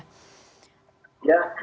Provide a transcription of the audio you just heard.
ya terima kasih